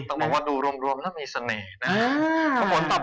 ต้องบอกว่าดูรวมแล้วมีเสน่ห์นะครับ